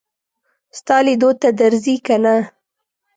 ستا لیدو ته درځي که نه.